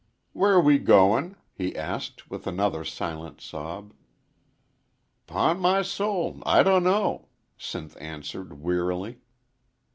"Where we goin'?" he asked, with another silent sob. "Pon my soul, I dunno," Sinth answered, wearily.